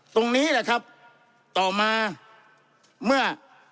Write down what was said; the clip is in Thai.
ตรงนี้แหละครับต่อมาเมื่อ